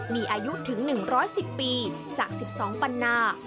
มีอายุถึง๑๑๐ปีจาก๑๒ปันนา